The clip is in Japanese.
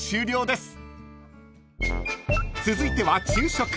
［続いては昼食］